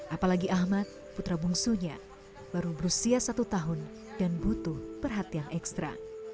apalagi ahmad putra bungsunya baru berusia satu tahun dan butuh perhatian ekstra